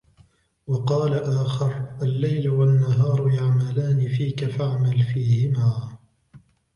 وَقَالَ آخَرُ اللَّيْلُ وَالنَّهَارُ يَعْمَلَانِ فِيك فَاعْمَلْ فِيهِمَا